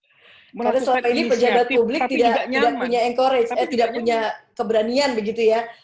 karena soal ini pejabat publik tidak punya keberanian begitu ya